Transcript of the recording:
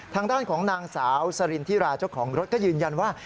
ทางด้านของนางสาวสรินทิราเจ้าของรถก็ยืนยันว่า